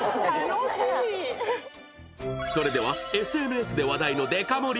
それではＳＮＳで話題のデカ盛り